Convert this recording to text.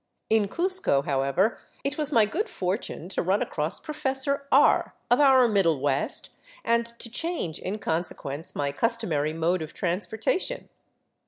In Cuzco, however, it was my good fortune to run across Professor R of our Middle West, and to change in consequence my customary mode of transportation.